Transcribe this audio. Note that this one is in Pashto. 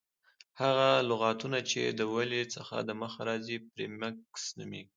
هغه لغتونه، چي د ولي څخه دمخه راځي پریفکس نومیږي.